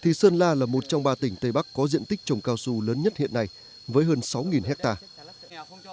thì sơn la là một trong ba tỉnh tây bắc có diện tích trồng cao su lớn nhất hiện nay với hơn sáu hectare